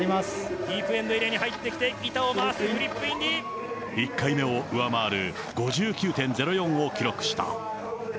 いいポイントに入ってきて、板を回す、１回目を上回る５９．０４を記録した。